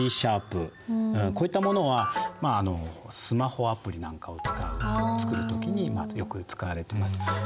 こういったものはスマホアプリなんかを作る時によく使われてます。